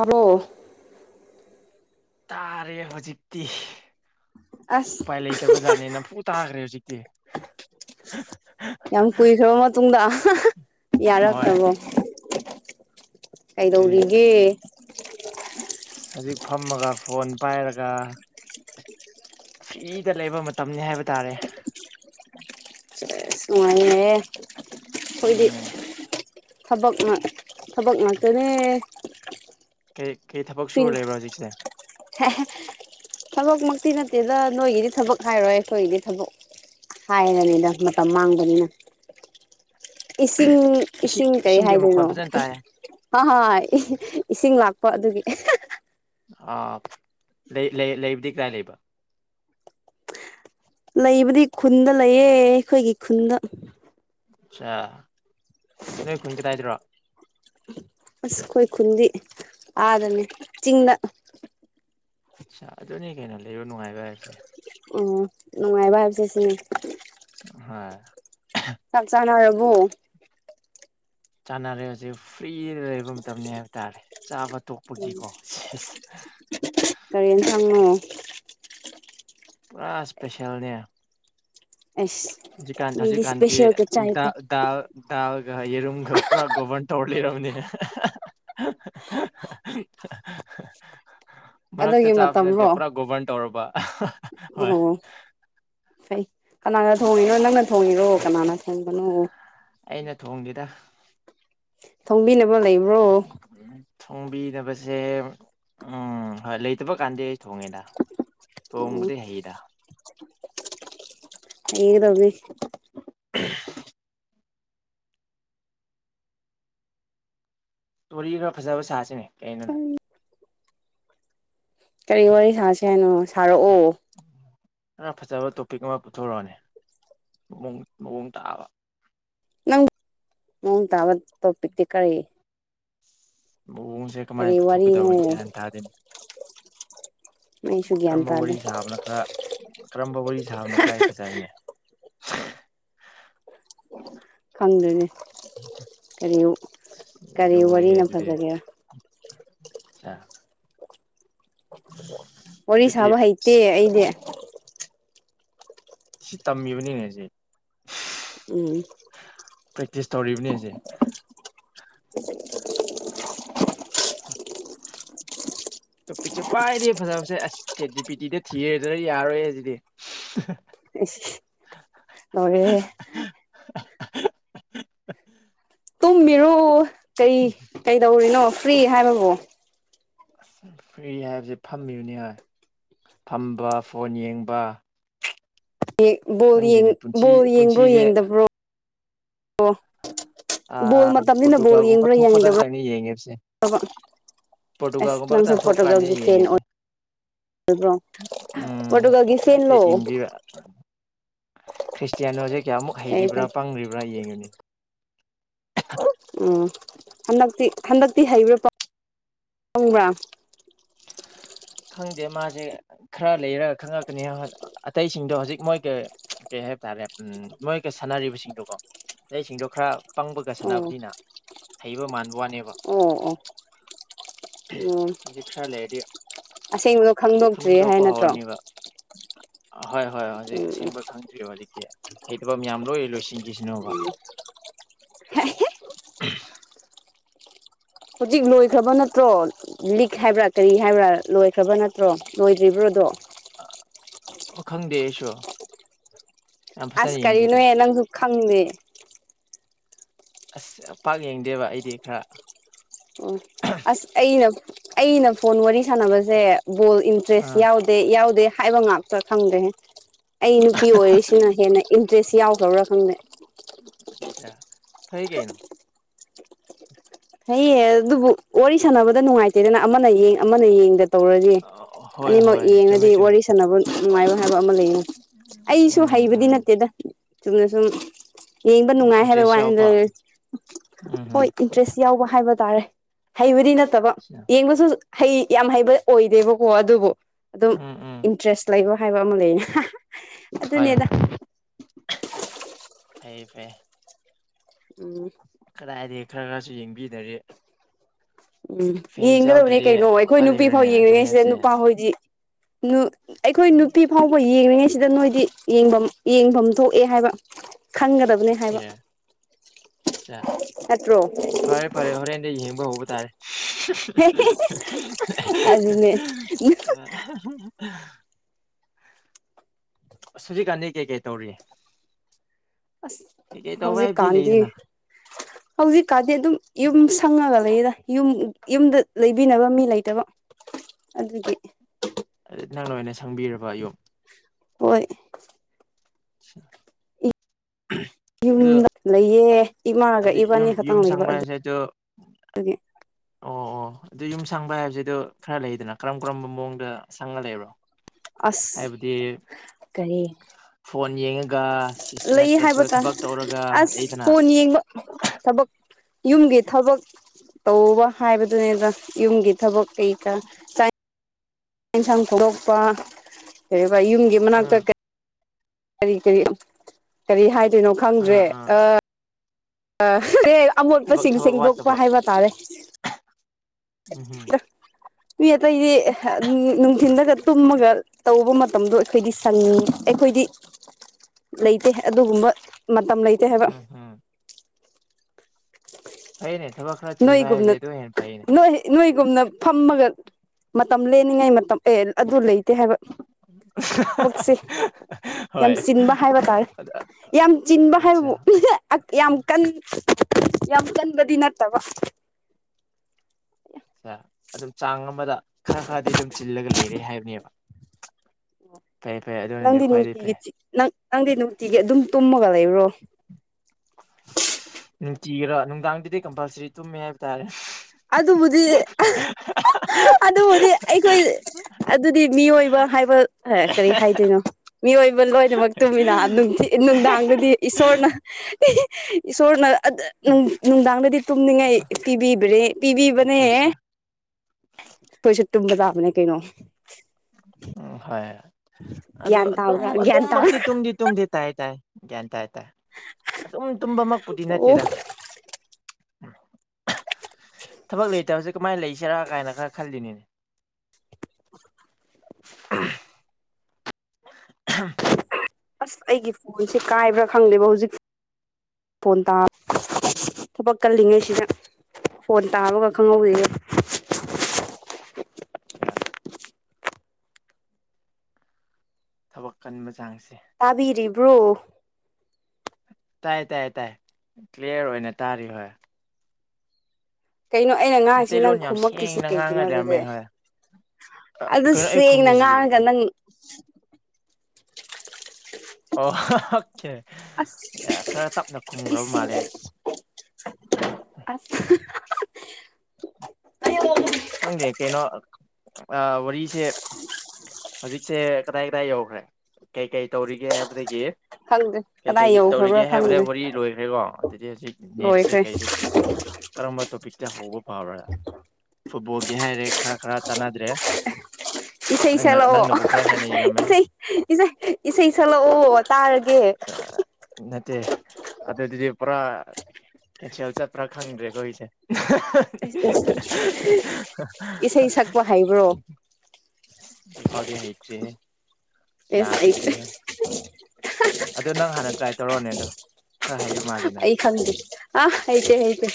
UNINTELLIGIBLE ꯇꯥꯔꯦ ꯍꯧꯖꯤꯛꯇꯤ ꯑꯁ ꯎꯄꯥꯏ ꯂꯩꯇ꯭ꯔꯕꯖꯥꯠꯅꯤ ꯅꯝꯐꯨ ꯇꯥꯈ꯭ꯔꯦ ꯍꯧꯖꯤꯛꯇꯤ ꯌꯥꯝ ꯀꯨꯏꯈ꯭ꯔꯕ ꯃꯇꯨꯡꯗ ꯑꯍꯣꯏ ꯌꯥꯔꯛꯇ꯭ꯔꯕꯣ ꯑꯗꯨꯅꯦ ꯀꯩꯗꯧꯔꯤꯒꯦ ꯍꯧꯖꯤꯛ ꯐꯝꯃꯒ ꯐꯣꯟ ꯄꯥꯏꯔꯒ ꯐ꯭ꯔꯤꯗ ꯂꯩꯕ ꯃꯇꯝꯅꯤ ꯍꯥꯏꯕ ꯇꯥꯔꯦ ꯑꯁ ꯅꯨꯡꯉꯥꯏꯅꯦ ꯑꯩꯈꯣꯏꯗꯤ ꯎꯝ ꯊꯕꯛ ꯊꯕꯛ ꯉꯥꯛꯇꯅꯦ ꯀꯩ ꯀꯩ ꯊꯕꯛ ꯁꯨꯔ ꯂꯩꯕ꯭ꯔꯥ ꯍꯧꯖꯤꯛꯁꯦ ꯍꯦꯍꯦ ꯊꯕꯛꯃꯛꯇꯤ ꯅꯠꯇꯦꯗ ꯅꯣꯏꯒꯤꯗꯤ ꯊꯕꯛ ꯍꯥꯏꯔꯣꯏ ꯑꯩꯈꯣꯏꯒꯤꯗꯤ ꯊꯕꯛ ꯍꯥꯏꯔꯅꯤꯅ ꯃꯇꯝ ꯃꯥꯡꯕꯅꯤꯅ ꯏꯁꯤꯡ ꯏꯁꯤꯡ ꯀꯩ ꯏꯁꯤꯡꯒꯤ ꯍꯥꯏꯗꯣꯏꯅꯣ ꯃꯈꯣꯟ ꯐꯖꯅ ꯇꯥꯏ ꯍꯣꯏ ꯍꯣꯏ ꯏꯁꯤꯡ ꯂꯥꯛꯄ ꯑꯗꯨꯒꯤ ꯑ ꯂꯩ ꯂꯩ ꯂꯩꯕꯗꯤ ꯀꯗꯥꯥꯏ ꯂꯩꯕ ꯂꯩꯕꯨꯗꯤ ꯈꯨꯟꯗ ꯂꯩꯌꯦ ꯑꯩꯈꯣꯏꯒꯤ ꯈꯨꯟꯗ ꯑꯆꯥ ꯅꯣꯏ ꯈꯨꯟ ꯀꯗꯥꯥꯏꯗꯔꯣ ꯑꯁ ꯑꯩꯈꯣꯏ ꯈꯨꯟꯗꯤ ꯑꯥꯗꯅꯦ ꯆꯤꯡꯗ ꯁꯥ ꯑꯗꯨꯅꯤ ꯀꯩꯅꯣ ꯂꯩꯔꯣ ꯅꯨꯡꯉꯥꯏꯕ ꯍꯥꯏꯕꯁꯦ ꯑꯣ ꯅꯨꯡꯉꯥꯏꯕ ꯍꯥꯏꯕꯁꯦ ꯁꯤꯅꯦ ꯍꯥꯏ ꯆꯥꯛ ꯆꯥꯅꯔꯕꯣ ꯆꯥꯅꯔꯦ ꯍꯧꯖꯤꯛ ꯐ꯭ꯔꯤ ꯂꯩꯕ ꯃꯇꯝꯅꯤ ꯍꯥꯏꯕ ꯇꯥꯔꯦ ꯆꯥꯕ ꯇꯣꯛꯄꯒꯤꯀꯣ ꯁꯤꯁ ꯀꯔꯤ ꯑꯦꯟꯁꯥꯡꯅꯣ ꯄꯨꯔꯥ ꯏꯁꯄꯦꯁꯦꯜꯅꯦ ꯑꯩꯁ ꯍꯧꯖꯤꯀꯥꯟ ꯃꯤꯗꯤ ꯍꯧꯖꯤꯛ ꯀꯥꯟꯇꯤ ꯏꯁꯄꯦꯁꯦꯜꯒ ꯆꯥꯏꯀꯣ ꯗꯥꯜꯒ ꯌꯦꯔꯨꯝꯒ ꯄꯨꯔꯥ ꯒꯣꯕꯟ ꯇꯧ ꯂꯩꯔꯝꯅꯦ [unintelligible] ꯃꯔꯛꯇ ꯑꯗꯨꯒꯤ ꯆꯥꯁꯨ ꯃꯇꯝꯔꯣ ꯅꯠꯇꯦ ꯄꯨꯔꯥ ꯒꯣꯕꯔꯟ ꯇꯧꯔꯕ ꯑꯣ ꯍꯣꯏ ꯐꯩ ꯀꯅꯥꯅ ꯊꯣꯡꯉꯤꯅꯣ ꯅꯪꯅ ꯊꯣꯡꯉꯤꯔꯣ ꯀꯅꯥꯅ ꯊꯣꯡꯕꯅꯣ ꯑꯩꯅ ꯊꯣꯡꯗꯦꯗ ꯐꯣꯡꯕꯤꯅꯕ ꯂꯩ ꯊꯣꯡꯕꯤꯅꯕꯁꯦ ꯎꯝ ꯍꯣꯏ ꯂꯩꯇꯕ ꯀꯥꯟꯗꯦ ꯊꯣꯡꯉꯦꯗ ꯊꯣꯡꯕꯗꯤ ꯍꯩꯗ ꯌꯦꯒꯗꯧꯕꯅꯤ [unintelligible] ꯇꯣꯔꯤ ꯈꯔ ꯐꯖꯕ ꯁꯥꯁꯤꯅꯦ ꯀꯩꯅꯅꯦ ꯀꯔꯤ ꯋꯥꯔꯤ ꯁꯥꯁꯦ ꯍꯥꯏꯅꯣ ꯁꯥꯔꯛꯑꯣ ꯈꯔ ꯐꯖꯕ ꯇꯣꯄꯤꯛ ꯑꯃ ꯄꯨꯊꯣꯔꯛꯑꯣꯅꯦ ꯃꯑꯣꯡ ꯃꯑꯣꯡ ꯇꯥꯕ ꯅꯪ ꯃꯑꯣꯡ ꯇꯥꯕ ꯇꯣꯄꯤꯛꯇꯤ ꯀꯔꯤ ꯃꯑꯣꯡꯁꯦ ꯀꯔꯤ ꯀꯃꯥꯏꯅ ꯋꯥꯔꯤꯅꯣ ꯄꯨꯊꯣꯛꯈꯤꯗꯕꯒꯦ ꯒ꯭ꯌꯥꯟ ꯇꯥꯗꯦꯅꯦ ꯑꯩꯁꯨ ꯒ꯭ꯌꯥꯟ ꯀꯔꯝꯕ ꯇꯥꯗꯦ ꯋꯥꯔꯤ ꯁꯥꯕꯅꯣ ꯈꯔ ꯀꯔꯝꯕ ꯋꯥꯔꯤ ꯁꯥꯕꯅ ꯈ꯭ꯋꯥꯏ ꯐꯖꯒꯅꯤ ꯈꯪꯗ꯭ꯔꯦꯅꯤ ꯀꯔꯤ ꯀꯔꯤ ꯋꯥꯔꯤꯅ ꯐꯖꯒꯦꯔ ꯑꯆꯥ ꯋꯥꯔꯤ ꯁꯥꯕ ꯍꯩꯇꯦ ꯑꯩꯗꯤ ꯁꯤ ꯇꯝꯃꯤꯕꯅꯤꯅꯦꯁꯦ ꯎꯝ ꯄ꯭ꯔꯦꯛꯇꯤꯁ ꯇꯧꯔꯤꯕꯅꯦ ꯑꯩꯁꯦ [unintelligible] [unintelligible] ꯇꯣꯄꯤꯛꯁꯦ ꯈ꯭ꯋꯥꯏꯗꯒꯤ ꯐꯖꯕꯁꯦ ꯆꯦꯠ ꯖꯤ ꯄꯤ ꯇꯤꯗ ꯊꯤꯔꯦꯗꯅ ꯌꯥꯔꯣꯏꯖꯤꯗꯤ ꯢꯁ ꯇꯧꯔꯦꯍꯦ ꯇꯨꯝꯃꯤꯔꯣ ꯀꯩ ꯀꯩꯗꯧꯔꯤꯅꯣ ꯐ꯭ꯔꯤ ꯍꯥꯏꯕꯕꯨ ꯑꯁ ꯐ꯭ꯔꯤ ꯍꯥꯏꯕꯁꯤ ꯐꯝꯃꯤꯕꯅꯤ ꯍꯣꯏ ꯐꯝꯕ ꯐꯣꯟ ꯌꯦꯡꯕ ꯕꯣꯜ ꯈꯪꯗꯦꯅꯦ ꯄꯨꯟꯁꯤ ꯕꯣꯜ ꯄꯨꯟꯁꯤꯁꯦ ꯑꯣ ꯑ ꯄꯣꯇꯨꯒꯥꯜꯒꯨꯝꯕ ꯊꯣꯛꯄꯗꯛꯇ ꯑꯩꯅ ꯌꯦꯡꯉꯦꯕꯁꯦ ꯑꯁ ꯄꯣꯇꯨꯒꯜꯀꯨꯝꯕ ꯅꯪꯁꯨ ꯈꯛꯇꯪ ꯊꯣꯛꯄꯅꯦꯅ ꯄꯣꯔꯇꯨꯒꯜꯒꯤ ꯐꯦꯟ ꯌꯦꯡꯉꯤꯕꯁꯦ ꯑꯣꯏꯕ꯭ꯔꯣ ꯎꯝ ꯄꯣꯔꯇꯨꯒꯜꯒꯤ ꯐꯦꯟꯂꯣ ꯍꯥꯏꯐꯦꯠ ꯌꯦꯡꯕꯤꯕ ꯈ꯭ꯔꯤꯁꯇꯤꯌꯥꯅꯣꯁꯦ ꯀꯌꯥꯃꯨꯛ ꯀꯩꯁꯦ ꯍꯩꯔꯤꯕ꯭ꯔꯥ ꯄꯪ꯭ꯔꯤꯕ꯭ꯔꯥ ꯌꯦꯡꯉ ꯒꯦ ꯎ ꯍꯟꯗꯛꯇꯤ ꯍꯟꯗꯛꯇꯤ ꯍꯩꯕ꯭ꯔꯥ ꯄꯪꯕ꯭ꯔꯥ ꯈꯪꯗꯦ ꯃꯥꯁꯦ ꯈꯔ ꯂꯩꯔꯒ ꯈꯪꯉꯛꯀꯅꯤ ꯑꯇꯩꯁꯤꯡꯗꯣ ꯍꯧꯖꯤꯛ ꯃꯣꯏꯒ ꯀꯩ ꯍꯥꯏꯕ ꯇꯥꯔꯦ ꯎꯝ ꯃꯣꯏꯒ ꯁꯥꯟꯅꯔꯤꯕꯁꯤꯡꯗꯨꯀꯣ ꯑꯇꯩꯁꯤꯡꯗꯣ ꯈꯔ ꯄꯪꯕꯒ ꯁꯥꯟꯅꯕꯅꯤꯅ ꯍꯩꯕ ꯃꯥꯟꯕ ꯋꯥꯅꯦꯕ ꯎꯝ ꯎꯝ ꯎꯝ ꯍꯧꯖꯤꯛ ꯈꯔ ꯂꯩꯔꯗꯤ ꯑꯁꯦꯡꯕꯗꯣ ꯈꯪꯗꯣꯛꯇ꯭ꯔꯤ ꯎꯐꯨꯟ ꯍꯥꯏ ꯊꯣꯛꯄ ꯅꯠꯇ꯭ꯔꯣ ꯍꯧꯔꯅꯦꯕ ꯍꯣꯏ ꯍꯣꯏ ꯍꯧꯖꯤꯛ ꯎꯝ ꯑꯁꯦꯡꯕ ꯈꯪꯗ꯭ꯔꯤꯔꯤꯕ ꯍꯧꯖꯤꯛꯇꯤ ꯍꯩꯇꯕ ꯃꯌꯥꯝ ꯂꯣꯏꯔꯦ ꯂꯣꯏꯁꯤꯟꯈꯤꯁꯤꯅꯣꯕ ꯎꯝ [inaudible] ꯍꯧꯖꯤꯛ ꯂꯣꯏꯈ꯭ꯔꯕ ꯅꯠꯇ꯭ꯔꯣ ꯂꯤꯛ ꯍꯥꯏꯕ꯭ꯔꯥ ꯀꯔꯤ ꯍꯥꯏꯕ꯭ꯔꯥ ꯂꯣꯏꯈ꯭ꯔꯕ ꯅꯠꯇ꯭ꯔꯣ ꯂꯣꯏꯗ꯭ꯔꯤꯕꯗꯣ ꯈꯪꯗꯦ ꯑꯩꯁꯨ ꯌꯥꯝ ꯑꯁ ꯐꯖꯅ ꯀꯔꯤꯅꯣ ꯌꯦꯡꯕꯤꯗꯦ ꯑꯦ ꯅꯪꯁꯨ ꯈꯪꯗꯦ ꯑꯁ ꯄꯥꯛ ꯌꯦꯡꯗꯦꯕ ꯑꯩꯗꯤ ꯈꯔ ꯎꯝ ꯑꯁ ꯑꯩꯅ ꯑꯩꯅ ꯐꯣꯟ ꯋꯥꯔꯤ ꯁꯥꯟꯅꯕꯁꯦ ꯕꯣꯜ ꯏꯟꯇꯔꯦꯁ ꯑꯥ ꯌꯥꯎꯗ ꯌꯥꯎꯗꯦ ꯍꯥꯏꯕ ꯉꯥꯛꯇ ꯈꯪꯗ꯭ꯔꯦ ꯑꯩ ꯅꯨꯄꯤ ꯑꯣꯏꯔꯤꯁꯤꯅ ꯍꯦꯟꯅ ꯏꯟꯇꯔꯦꯁ ꯌꯥꯎꯗꯧꯔ ꯈꯪꯗꯦ ꯑꯆꯥ ꯐꯩ ꯀꯩꯩꯅꯣ ꯍꯌꯦ ꯑꯗꯨꯕꯨ ꯋꯥꯔꯤ ꯁꯥꯟꯅꯕꯗ ꯅꯨꯡꯉꯥꯏꯇꯦꯗꯅ ꯑꯃꯅ ꯑꯃꯅ ꯌꯦꯡꯗ ꯇꯧꯔꯗꯤ ꯍꯣꯏ ꯑꯅꯤꯃꯛ ꯍꯣꯏ ꯆꯨꯝꯃꯦ ꯌꯦꯡꯉꯗꯤ ꯋꯥꯔꯤ ꯆꯨꯝꯃꯦ ꯁꯥꯟꯅꯕ ꯅꯨꯡꯉꯥꯏꯕ ꯍꯥꯏꯕ ꯑꯃ ꯂꯩꯅꯤ [unintelligible] ꯑꯩꯁꯨ ꯎꯝ ꯍꯩꯕꯗꯤ ꯎꯝ ꯅꯠꯇꯦꯗ ꯆꯨꯝꯅ ꯁꯨꯝ ꯌꯦꯡꯕ ꯅꯨꯡꯉꯥꯏ ꯍꯥꯏꯕ ꯏꯟꯇꯔꯦꯁ ꯋꯥꯅꯤ ꯌꯥꯎꯕ ꯎꯝ ꯎꯝ ꯍꯣꯏ ꯗ꯭ꯔꯦꯁ ꯌꯥꯎꯕ ꯍꯥꯏꯕ ꯇꯥꯔꯦ ꯍꯩꯕꯗꯤ ꯅꯠꯇꯕ ꯌꯦꯡꯕꯁꯨ ꯍꯩ ꯌꯥꯝ ꯍꯩꯕ ꯑꯣꯏꯗꯦꯕꯀꯣ ꯑꯗꯨꯕꯨ ꯑꯗꯨꯝ ꯎꯝ ꯎꯝ ꯏꯟꯇꯔꯦꯁ ꯂꯩꯕ ꯍꯥꯏꯕ ꯑꯃ ꯂꯩꯅ [unintelligible] ꯎꯝ ꯀꯗꯥꯏꯗꯒꯤ ꯈꯔ ꯈꯔꯁꯨ ꯌꯦꯡꯕꯤꯗꯔꯤ ꯎꯝ ꯐꯦꯟꯁ ꯌꯦꯡꯒꯗꯕꯅꯦ ꯌꯥꯎꯗ꯭ꯔꯗꯤ ꯀꯩꯅꯣꯕ ꯑꯩꯈꯣꯏ ꯎꯄꯥꯏ ꯅꯨꯄꯤ ꯂꯩꯔꯣꯏꯅꯦ ꯐꯥꯎ ꯑꯗꯨꯅꯦ ꯌꯦꯡꯂꯤꯉꯩꯁꯤꯗ ꯍꯥꯏꯕꯁꯦ ꯅꯨꯄꯥ ꯍꯣꯏꯗꯤ ꯑꯩꯈꯣꯏ ꯅꯨꯄꯤ ꯍꯧꯕ ꯌꯦꯡꯅꯤꯡꯉꯩꯁꯤꯗ ꯅꯣꯏꯗꯤ ꯌꯦꯡꯐꯝ ꯌꯦꯡꯐꯝ ꯊꯣꯛꯑꯦ ꯍꯥꯏꯕ ꯈꯪꯒꯗꯕꯅꯤ ꯍꯥꯏꯕ ꯑꯆꯥ ꯅꯠꯇ꯭ꯔꯣ ꯐꯔꯦ ꯐꯔꯦ ꯍꯣꯔꯦꯟꯗ ꯌꯦꯡꯕ ꯍꯧꯕ ꯇꯥꯔꯦ ꯑꯗꯨꯅꯦ [unintelligible] ꯁꯨꯖꯤꯀꯥꯟꯗꯤ ꯀꯩ ꯀꯩ ꯇꯧꯔꯤ ꯑꯁ ꯀꯩꯀꯩ ꯇꯧꯕ ꯍꯥꯏꯕꯗꯤ ꯍꯧꯖꯤꯛꯀꯥꯟꯗꯤ ꯂꯩꯗꯅ ꯍꯧꯖꯤꯛꯀꯥꯟꯗꯤ ꯑꯗꯨꯝ ꯌꯨꯝ ꯁꯪꯉꯒ ꯂꯩꯌꯦꯗ ꯌꯨꯝ ꯌꯨꯝꯗ ꯂꯩꯕꯤꯅꯕ ꯃꯤ ꯂꯩꯇꯕ ꯑꯗꯨꯗꯤ ꯅꯪ ꯂꯣꯏꯅ ꯁꯪꯕꯤꯔꯕ ꯑꯌꯨꯛ ꯍꯣꯏ ꯑꯗꯨ ꯌꯨꯝꯗ ꯂꯩꯌꯦ ꯏꯃꯥꯒ ꯑꯗꯨ ꯌꯨꯝ ꯏꯕꯥꯅꯤ ꯌꯨꯝ ꯈꯛꯇꯪ ꯂꯩꯕ ꯁꯪꯕ ꯑꯗꯨ ꯍꯥꯏꯕꯁꯦ ꯑꯗꯨꯒꯤ ꯑꯣ ꯑꯣ ꯑꯗꯨ ꯌꯨꯝ ꯁꯪꯕ ꯍꯥꯏꯕꯁꯤꯗꯣ ꯈꯔ ꯂꯩꯗꯅ ꯀꯔꯝ ꯀꯔꯝꯕ ꯃꯑꯣꯡꯗ ꯁꯪꯉ ꯂꯩꯕ꯭ꯔꯣ? ꯑꯁ ꯍꯥꯏꯕꯗꯤ ꯀꯔꯤ ꯐꯣꯟ ꯌꯦꯡꯉꯒ ꯁꯤꯁ ꯂꯩ ꯅꯠꯇ꯭ꯔꯁꯨ ꯍꯥꯏꯕꯀ ꯊꯕꯛ ꯇꯧꯔꯒ ꯇꯥꯏ ꯑꯁ ꯂꯩꯗꯅ ꯐꯣꯟ ꯌꯦꯡꯕ ꯊꯕꯛ ꯌꯨꯝꯒꯤ ꯊꯕꯛ ꯇꯧꯕ ꯍꯥꯏꯕꯗꯨꯅꯤꯗꯅ ꯌꯨꯝꯒꯤ ꯊꯕꯛ ꯀꯩꯀꯥ ꯆꯥꯛ ꯌꯦꯟꯁꯥꯡ [unintelligible] ꯀꯩꯑꯕ ꯌꯨꯝꯒꯤ ꯃꯅꯥꯛꯇ ꯎꯝ ꯀꯩ ꯀꯔꯤ ꯀꯔꯤ ꯀꯔꯤ ꯍꯥꯏꯗꯣꯏꯅꯣ ꯈꯪꯗ꯭ꯔꯦ ꯎꯝ ꯎꯝ ꯑꯥ ꯊꯕꯛ ꯑꯃꯣꯠꯄꯁꯤꯡ ꯊꯕꯛ ꯁꯦꯡꯗꯣꯛꯄ ꯋꯥꯠꯇꯕ ꯍꯥꯏꯕ ꯇꯥꯔꯦ꯫ [unintelligible] ꯎꯝꯍꯝ ꯑ ꯃꯤ ꯑꯇꯩꯗꯤ ꯅꯨꯡꯊꯤꯟꯜꯗꯒ ꯇꯨꯝꯃꯒ ꯇꯧꯕ ꯃꯇꯝꯗꯣ ꯑꯩꯈꯣꯏꯗꯤ ꯁꯪꯉꯤ ꯑꯩꯈꯣꯏꯗꯤ [inaudible] ꯂꯩꯇꯦ ꯑꯗꯨꯒꯨꯝꯕ ꯃꯇꯝ ꯂꯩꯇꯦ ꯍꯥꯏꯕ꯫ ꯎꯝ ꯎꯝ ꯐꯩꯅꯦ ꯊꯕꯛ ꯈꯔ ꯆꯤꯟꯕ ꯍꯥꯏꯕꯁꯦ ꯅꯣꯏꯒꯨꯝꯅ ꯑꯗꯨ ꯍꯦꯟꯅ ꯐꯩꯅꯦ꯫ ꯅꯣꯏ ꯅꯣꯏꯒꯨꯝꯅ ꯐꯝꯃꯒ ꯃꯇꯝ ꯂꯦꯟꯅꯤꯉꯥꯏ ꯃꯇꯝ ꯑꯦ ꯑꯗꯨ ꯂꯩꯇꯦ ꯍꯥꯏꯕ꯫ ꯊꯕꯛꯁꯤ ꯌꯥꯝ ꯍꯣꯏ ꯆꯤꯟꯕ ꯍꯥꯏꯕ ꯇꯥꯏ ꯑꯗ ꯌꯥꯝ ꯆꯤꯟꯕ ꯑꯠꯆꯥ ꯍꯥꯏꯕꯕꯨ ꯌꯥꯝ ꯀꯟ ꯌꯥꯝ ꯀꯟꯕꯗꯤ ꯅꯠꯇꯕ ꯑꯗꯨꯝ ꯆꯥꯡ ꯑꯃꯗ ꯈꯔ ꯈꯔꯗꯤ ꯑꯗꯨꯝ ꯆꯤꯜꯂꯒ ꯂꯩꯔꯦ ꯍꯥꯏꯕꯅꯦꯕ꯫ ꯐꯩ ꯐꯩ ꯑꯗꯨꯅꯗꯤ ꯅꯪꯗꯤ ꯈ꯭ꯋꯥꯏꯗꯒꯤ ꯐꯩ ꯅꯨꯡꯇꯤꯒꯤ ꯅꯪ ꯅꯪꯗꯤ ꯅꯨꯡꯇꯤꯒꯤ ꯑꯗꯨꯝ ꯇꯨꯝꯃꯒ ꯂꯩꯕ꯭ꯔꯣ? ꯅꯨꯡꯇꯤꯒꯤꯔꯣ ꯅꯨꯡꯗꯥꯡꯗꯨꯗꯤ ꯀꯝꯄꯜꯁꯔꯤ ꯇꯨꯝꯃꯦ ꯍꯥꯏꯕ ꯇꯥꯔꯦ꯫ ꯑꯗꯨꯕꯨꯗꯤ ꯑꯗꯨꯕꯨꯗꯤ ꯑꯩꯈꯣꯏ ꯑꯗꯨꯗꯤ ꯃꯤꯑꯣꯏꯕ ꯍꯥꯏꯕ ꯀꯔꯤ ꯍꯥꯏꯗꯣꯏꯅꯣ ꯃꯤꯑꯣꯏꯕ ꯂꯣꯏꯅꯃꯛ ꯇꯨꯝꯃꯤꯅ ꯅꯨꯡꯊꯤꯜ ꯅꯨꯡꯗꯥꯡꯗꯨꯗꯤ ꯏꯁꯣꯔꯅ ꯏꯁꯣꯔꯅ ꯅꯨꯡꯗꯥꯡꯗꯗꯤ ꯇꯨꯝꯅꯤꯉꯥꯏ ꯄꯤꯕꯤꯕ꯭ꯔꯦ ꯑꯆꯥ ꯑꯆꯥ ꯄꯤꯕꯅꯦ ꯈꯣꯏꯁꯨ ꯇꯨꯝꯕ ꯇꯥꯕꯅꯦ ꯀꯩꯅꯣ꯫ ꯎ ꯍꯣꯏ ꯑꯗꯨ ꯒ꯭ꯌꯥꯟ ꯇꯥꯕ꯭ꯔꯥ ꯒ꯭ꯌꯥꯟ ꯑꯗꯨꯝꯃꯛꯇꯤ ꯇꯥꯕ꯭ꯔꯥ ꯇꯨꯝꯗꯤ ꯇꯨꯝꯗꯤ ꯇꯥꯏ ꯇꯥꯏ ꯒ꯭ꯌꯥꯟ ꯇꯥꯏ ꯇꯥꯏ ꯑꯗꯨꯝ ꯇꯨꯝꯕꯃꯛꯄꯨꯗꯤ ꯑꯣ ꯅꯠꯇꯦꯗ꯫ ꯊꯕꯛ ꯂꯩꯇꯕꯁꯦ ꯀꯃꯥꯏꯅ ꯂꯩꯁꯤꯔꯥ ꯀꯥꯏꯅ ꯈꯔ ꯈꯜꯂꯤꯅꯦ꯫ ꯎꯝ [unintelligible] ꯑꯁ ꯑꯩꯒꯤ ꯐꯣꯟꯁꯦ ꯀꯥꯏꯕ꯭ꯔꯥ ꯈꯪꯗꯦꯕ ꯍꯧꯖꯤꯛ ꯐꯣꯟ ꯇꯥ ꯊꯕꯛ ꯀꯜꯂꯤꯉꯩꯁꯤꯗ ꯐꯣꯟ ꯇꯥꯕꯒ ꯈꯪꯍꯧꯗꯦ꯫ ꯆꯥ ꯊꯕꯛ ꯀꯟꯕ ꯆꯥꯡꯁꯦ ꯇꯥꯕꯤꯔꯤꯕ꯭ꯔꯣ? ꯇꯥꯏ ꯇꯥꯏ ꯇꯥꯏ ꯀ꯭ꯂꯤꯌꯥꯔ ꯑꯣꯏꯅ ꯇꯥꯔꯤ ꯍꯣꯏ꯫ ꯀꯩꯅꯣ ꯑꯩꯅ ꯉꯥꯡꯁꯤ ꯅꯪ ꯃꯩꯇꯩꯂꯣꯟ ꯌꯥꯝ ꯈꯨꯝꯃꯛꯇꯤꯁꯤ ꯁꯦꯡꯅ ꯀꯩꯒꯤꯅꯣ ꯉꯥꯡꯉ ꯂꯩꯔꯝꯃꯦ ꯑꯗꯨꯗꯤ? ꯍꯣꯏ ꯑꯗꯨ ꯀꯩꯅꯣ ꯑꯩ ꯁꯦꯡꯅ ꯈꯨꯝꯃꯤꯁꯤꯗꯤ ꯉꯥꯡꯉꯒ ꯑꯣ ꯅꯪ ꯑꯣ ꯑꯣꯀꯦ ꯑꯁ ꯈꯔ ꯇꯞꯅ ꯈꯨꯝꯈ꯭ꯔꯕ ꯃꯥꯂꯦ ꯑ [unintelligible] [inaudible] ꯈꯪꯗꯦ ꯀꯩꯅꯣ ꯋꯥꯔꯤꯁꯦ ꯍꯧꯖꯤꯛꯁꯦ ꯀꯗꯥꯏ ꯀꯗꯥꯏ ꯌꯧꯈ꯭ꯔꯦ ꯀꯩ ꯀꯩ ꯇꯧꯔꯤꯒꯦ ꯍꯥꯏꯕꯗꯒꯤ ꯈꯪꯗ꯭ꯔꯦ ꯀꯩ ꯀꯗꯥꯏ ꯀꯩꯩ ꯇꯧꯔꯤꯒꯦ ꯌꯧꯈ꯭ꯔꯕ꯭ꯔꯥ ꯍꯥꯏꯕꯗ ꯈꯪꯗ꯭ꯔꯦ ꯋꯥꯔꯤ ꯂꯣꯏꯈ꯭ꯔꯦꯀꯣ ꯑꯗꯨꯗꯤ ꯍꯧꯖꯤꯛ ꯅꯦꯛꯁꯁꯦ ꯂꯣꯏꯈ꯭ꯔꯦ ꯀꯩꯗ ꯀꯔꯝꯕ ꯇꯣꯄꯤꯛꯇ ꯍꯧꯕ ꯐꯥꯕ꯭ꯔꯥ ꯎ [unintelligible] ꯐꯨꯠꯕꯣꯜꯒꯤ ꯍꯥꯏꯔꯦ ꯈꯔ ꯈꯔ ꯆꯥꯟꯅꯗ꯭ꯔꯦ ꯏꯁꯩ ꯅꯪꯅ ꯆꯛꯂꯛꯑꯣ ꯅꯪꯅꯕꯨ ꯈꯔ ꯍꯦꯟꯅ ꯌꯦꯡꯉꯝꯃꯦ ꯏꯁꯩ ꯏꯁꯩ ꯏꯁꯩ ꯁꯛꯂꯛꯑꯣ ꯇꯥꯔꯒꯦ ꯅꯠꯇꯦ ꯑꯗꯨꯗꯨꯗꯤ ꯄꯨꯔꯥ ꯀꯦꯟꯁꯦꯜ ꯆꯠꯄ꯭ꯔꯥ ꯈꯪꯗ꯭ꯔꯦꯀꫭ ꯑꯩꯁꯦ ꯑꯁ ꯏꯁꯩ ꯁꯛꯄ ꯍꯩꯕ꯭ꯔꯣ ꯑꯗꯨ ꯐꯥꯎꯗꯤ ꯍꯩꯇꯔꯤꯍꯦ ꯑꯦ ꯁꯥꯏꯠꯇ [unintelligible] ꯑꯗꫭ ꯅꯪ ꯍꯥꯟꯅ ꯇ꯭ꯔꯥꯏ ꯇꯧꯔꯛꯑꯣꯅꯦ ꯑꯗꯣ ꯈꯔ ꯍꯩꯕ ꯃꯥꯜꯂꯦ ꯑꯩ ꯈ ꯈꯪꯗꯦ ꯑ ꯍꯩꯇꯦ ꯍꯩꯇꯦ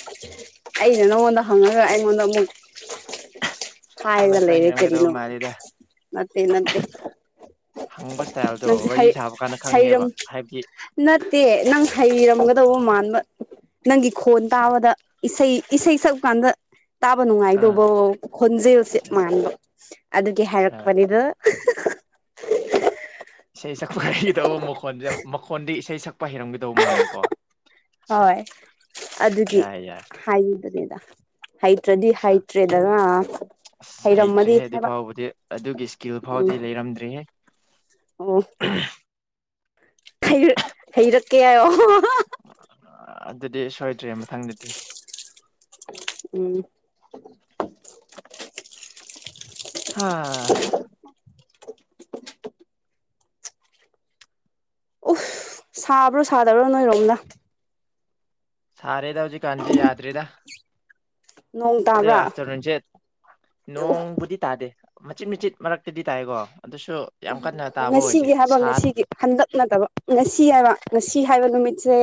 ꯑꯩꯅ ꯅꯪꯉꯣꯟꯗ ꯍꯪꯉꯒ ꯑꯩꯉꯣꯟꯗ ꯑꯃꯨꯛ ꯅꯪꯅ ꯈꯔ [unintelligible] ꯍꯩꯔꯝꯒꯗꯕ ꯀꯔꯤꯅꯣ ꯃꯥꯜꯂꯤꯗ ꯅꯠꯇꯦ ꯅꯠꯇꯦ ꯍꯪꯕ ꯏꯁꯇꯥꯏꯜꯗꯣ ꯅꯪꯁꯦ ꯍꯩ ꯋꯥꯔꯤ ꯁꯥꯕ ꯀꯥꯟꯗ ꯍꯩꯔꯝ ꯈꯪꯉꯦꯕ ꯍꯥꯏꯕꯗꯤ ꯅꯠꯇꯦ ꯅꯪ ꯍꯩꯔꯝꯒꯗꯧꯕ ꯃꯥꯟꯕ ꯅꯪꯒꯤ ꯈꯣꯟ ꯇꯥꯕꯗ ꯏꯁꯩ ꯏꯁꯩꯩ ꯁꯛꯄ ꯀꯥꯟꯗ ꯇꯥꯕ ꯑꯥ ꯅꯨꯡꯉꯥꯏꯗꯧꯕ ꯈꯣꯟꯖꯦꯜꯁꯦ ꯃꯥꯟꯕ ꯑꯗꯨꯒꯤ ꯍꯥꯏꯔꯛꯄꯅꯤꯗ ꯏꯁꯩ ꯁꯛꯄꯒꯤ ꯍꯩꯗꯧꯕ ꯃꯈꯣꯟꯁꯦ ꯃꯈꯣꯟꯗꯤ ꯏꯁꯩ [unintelligible] ꯍꯩꯔꯝꯒꯗꯧꯕ ꯃꯥꯟꯕꯀꯣ ꯑꯠꯁꯥ ꯍꯣꯏ ꯌꯥꯔꯦ ꯌꯥꯔꯦ ꯍꯥꯏꯈꯤꯕꯅꯤꯗ ꯍꯩꯇ꯭ꯔꯗꯤ ꯍꯩꯇ꯭ꯔꯦꯗꯅ ꯑꯁ ꯍꯩꯇ꯭ꯔꯦ ꯍꯩꯔꯝꯃꯗꯤ ꯑꯗꯨ ꯍꯥꯏꯕ ꯐꯥꯎꯕꯗꯤ ꯑꯗꯨꯒꯤ ꯏꯁꯀꯤꯜ ꯎꯝ ꯐꯥꯎꯗꯤ ꯂꯩꯔꯝꯗ꯭ꯔꯦꯍꯦ ꯑꯣ [unintelligible] ꯍꯩꯔꯛꯀꯦ ꯍꯥꯌꫭ ꯑꯗꯨꯗꯤ ꯁꯣꯏꯗ꯭ꯔꯦ ꯃꯊꯪꯗꯗꯤ ꯎꯝ ꯑ [unintelligible] [inaudible] ꯎꯁ ꯁꯥꯕ꯭ꯔꯣ ꯁꯥꯗꯕ꯭ꯔꯣ ꯅꯣꯏꯔꯣꯝꯗ ꯁꯥꯔꯦꯗ ꯍꯧꯖꯤꯛ ꯀꯥꯟꯖꯦ ꯌꯥꯗꯔꯦꯗ ꯅꯣꯡ ꯑꯗ ꯇꯥꯕ꯭ꯔꯥ ꯑꯥꯐꯇꯔꯅꯨꯟꯁꯦ ꯅꯣꯡꯕꯨꯗꯤ ꯇꯥꯗꯦ ꯃꯆꯤꯠ ꯃꯆꯤꯠ ꯃꯔꯛꯇꯗꯤ ꯇꯥꯏꯀꯣ ꯑꯗꯨꯁꯨ ꯌꯥꯝ ꯀꯟꯅ ꯎꯝ ꯇꯥꯕ ꯑꯣꯏꯗꯦ ꯉꯁꯤꯒꯤ ꯍꯥꯏꯕ ꯁꯥ ꯉꯁꯤꯒꯤ ꯍꯟꯗꯛ ꯅꯠꯇꯕ ꯉꯁꯤ ꯍꯥꯏꯕ ꯉꯁꯤ ꯍꯥꯏꯕ ꯅꯨꯃꯤꯠꯁꯦ